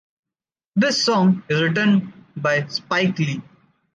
This song was writen by Spike Lee.